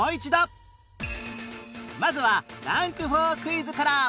まずはランク４クイズから